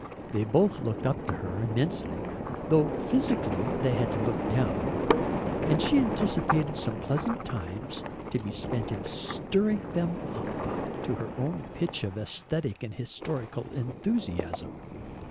They both looked up to her immensely, though physically they had to look down, and she anticipated some pleasant times to be spent in "stirring them up" to her own pitch of aesthetic and historical enthusiasm.